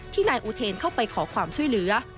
นายอูเทนเข้าไปขอความช่วยเหลือ